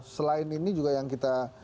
selain ini juga yang kita